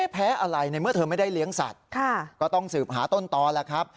แพ้อะไรในเมื่อเธอไม่ได้เลี้ยงสัตว์ก็ต้องสืบหาต้นตอแล้วครับ